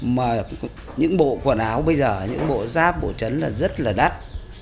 mà những bộ quần áo bây giờ những bộ giáp bộ chấn là rất là đắt